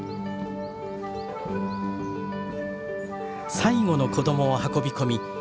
最後の子供を運び込み